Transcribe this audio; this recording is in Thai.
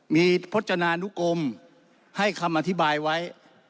มีพจนานุกรมให้คำอธิบายไว้